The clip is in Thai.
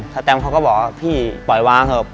แตมเขาก็บอกว่าพี่ปล่อยวางเถอะ